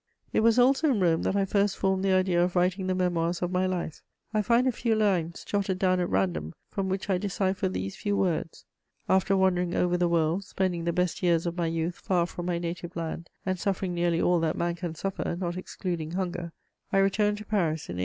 It was also in Rome that I first formed the idea of writing the Memoirs of my Life; I find a few lines jotted down at random, from which I decipher these few words: "After wandering over the world, spending the best years of my youth far from my native land, and suffering nearly all that man can suffer, not excluding hunger, I returned to Paris in 1800."